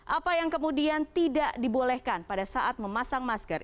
apa yang kemudian tidak dibolehkan pada saat memasang masker